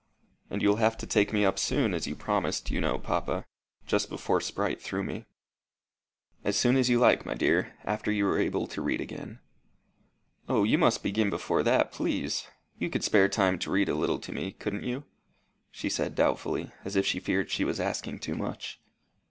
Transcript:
"And you'll have to take me up soon, as you promised, you know, papa just before Sprite threw me." "As soon as you like, my dear, after you are able to read again." "O, you must begin before that, please. You could spare time to read a little to me, couldn't you?" she said doubtfully, as if she feared she was asking too much.